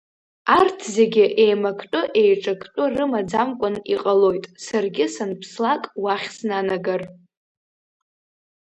Арҭ зегьы еимактәы-еиҿактәы рымаӡамкәан иҟалоит, саргьы санԥслак уахь снанагар…